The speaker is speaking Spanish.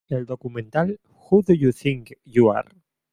El documental "Who Do You Think You Are?